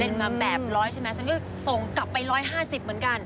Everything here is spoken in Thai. เป็นมาแบบร้อยใช่ไหมฉันก็ส่งกลับไป๑๕๐เหมือนกัน